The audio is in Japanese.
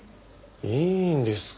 いいんですか？